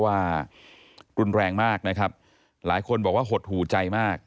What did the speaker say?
คุณว่ากลุนแรงมากหลายคนบอกว่าหดหูใจมาก